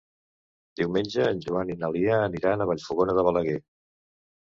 Diumenge en Joan i na Lia aniran a Vallfogona de Balaguer.